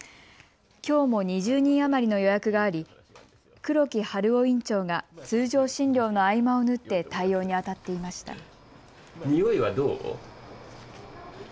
きょうも２０人余りの予約があり黒木春郎院長が通常診療の合間を縫って対応にあたっていました。